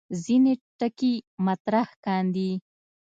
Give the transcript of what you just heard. ځینې ټکي مطرح کاندي.